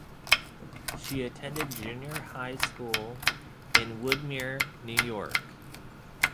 She attended junior high school in Woodmere, New York.